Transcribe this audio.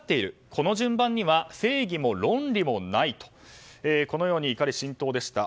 この順番には正義も論理もないとこのように怒り心頭でした。